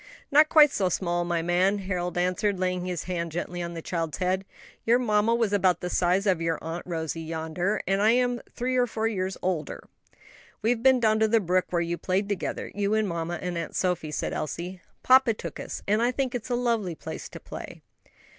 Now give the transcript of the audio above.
"Not quite so small, my man," Harold answered, laying his hand gently on the child's head. "Your mamma was about the size of your Aunt Rosie, yonder, and I some three or four years older." "We've been down to the brook where you played together you and mamma and Aunt Sophie," said Elsie. "Papa took us, and I think it's a lovely place to play."